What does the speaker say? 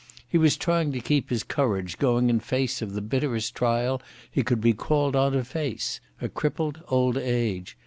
He was trying to keep his courage going in face of the bitterest trial he could be called on to face—a crippled old age.